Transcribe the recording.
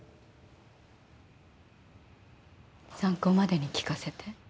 参考までに聞かせて。